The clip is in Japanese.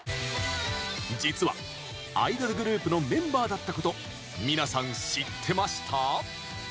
実はアイドルグループのメンバーだったこと皆さん知ってました？